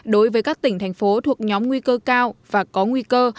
đối với các tỉnh thành phố thuộc nhóm nguy cơ cao và có nguy cơ